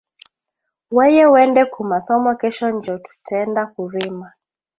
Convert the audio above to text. Weye wende ku masomo kesho njo tutenda kurima